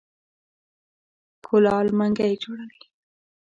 کولال منګی جوړوي.